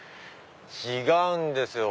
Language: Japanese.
違うんですよ。